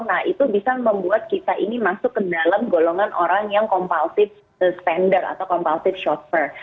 nah itu bisa membuat kita ini masuk ke dalam golongan orang yang kompalsif spender atau kompalsif short spur